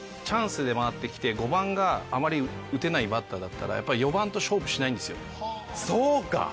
チャンスで回ってきて、５番があまり打てないバッターだったら、４番と勝負しないんですそうか。